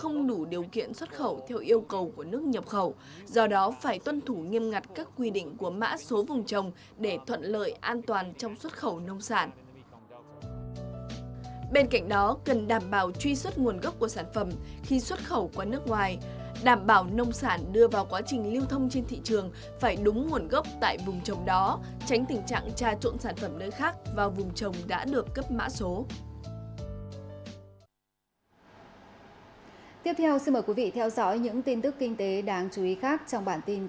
nếu không được cấp mã số vùng trồng cơ sở đóng gói